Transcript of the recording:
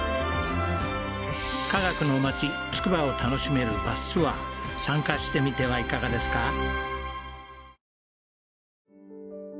科学のまちつくばを楽しめるバスツアー参加してみてはいかがですか？